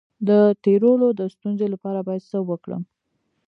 د تیرولو د ستونزې لپاره باید څه وکړم؟